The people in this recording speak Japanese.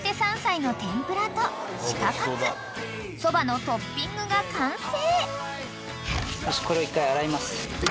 ［そばのトッピングが完成］